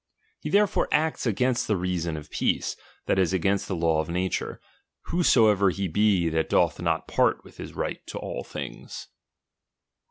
He therefore acts against the reason of peace, that is, against the law of nature, whosoever he be, that doth not part with Ms right to all things.